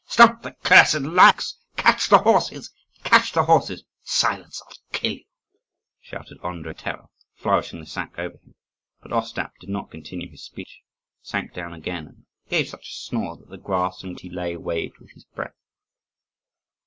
Stop the cursed Lyakhs! Catch the horses! catch the horses!" "Silence! I'll kill you," shouted Andrii in terror, flourishing the sack over him. But Ostap did not continue his speech, sank down again, and gave such a snore that the grass on which he lay waved with his breath.